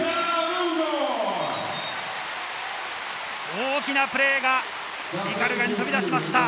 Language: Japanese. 大きなプレーが鵤に飛び出しました。